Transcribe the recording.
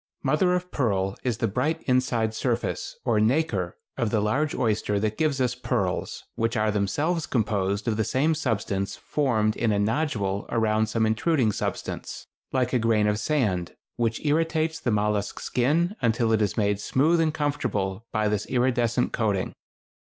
[Illustration: CASSIDIDÆ. Helmet shell (Cassis flammea).] Mother of pearl is the bright inside surface, or nacre, of the large oyster that gives us pearls, which are themselves composed of the same substance formed in a nodule around some intruding substance, like a grain of sand, which irritates the mollusk's skin until it is made smooth and comfortable by this iridescent coating.